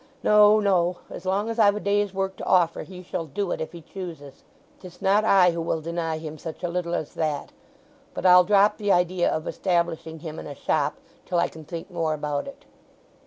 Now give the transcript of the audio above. No, no. As long as I've a day's work to offer he shall do it if he chooses. 'Tis not I who will deny him such a little as that. But I'll drop the idea of establishing him in a shop till I can think more about it."